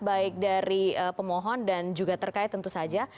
baik dari pemohon dan juga terkait tentu saja